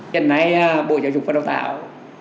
dần này bộ giáo dục và đào tạo